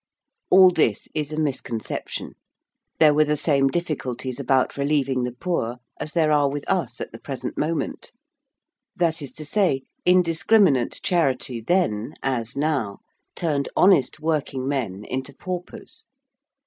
] All this is a misconception: there were the same difficulties about relieving the poor as there are with us at the present moment. That is to say, indiscriminate charity then, as now, turned honest working men into paupers.